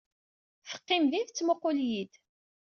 Teqqim din, tettmuqqul-iyi-d.